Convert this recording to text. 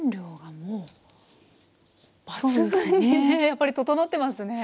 やっぱり整ってますね。